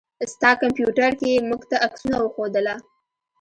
ستا کمپيوټر کې يې موږ ته عکسونه وښودله.